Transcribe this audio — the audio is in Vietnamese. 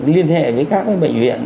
liên hệ với các cái bệnh viện